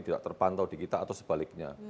tidak terpantau di kita atau sebaliknya